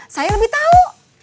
saya lebih tahu